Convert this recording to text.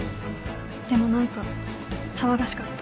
でも何か騒がしかった。